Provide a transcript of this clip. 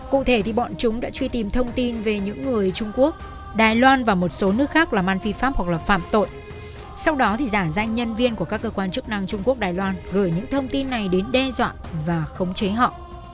cụ thể thì bọn chúng đã truy tìm thông tin về những người trung quốc đài loan và một số nước khác là man phi pháp hoặc là phạm tội sau đó thì giả danh nhân viên của các cơ quan chức năng trung quốc đài loan gửi những thông tin này đến đe dọa và khống chế họ